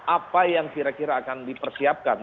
apa yang kira kira akan dipersiapkan